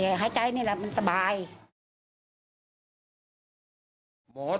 และที่สลับ